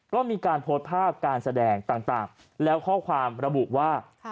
ก็มีการโพสต์ภาพการแสดงต่างแล้วข้อความระบุว่า